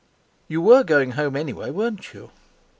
You were going home anyway, weren't you?"